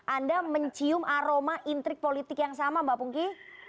anda mencium aroma intrik politik yang sama mbak pungki